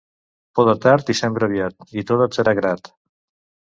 Poda tard i sembra aviat, i tot et serà grat.